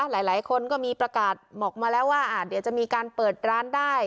หลายคนก็มีประกาศบอกมาแล้วว่าเดี๋ยวจะมีการเปิดร้านได้